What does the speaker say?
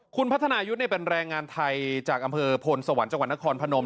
คุณพัฒนายุทธ์เป็นแรงงานไทยจากอำเภอพลสวรรค์จังหวัดนครพนม